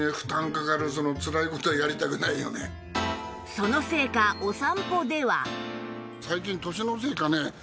そのせいかお散歩では